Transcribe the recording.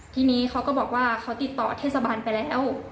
ทีนี้เขาก็บอกว่าเขาติดต่อเทศบาลไปแล้ว